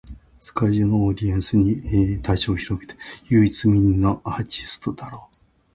世界中のオーディエンスに対象を広げても、幅広い世代にその音楽が親しまれた日本人アーティストとして唯一無二の存在だろう。